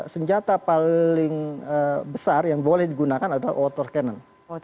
senjata paling besar yang boleh digunakan adalah water cannon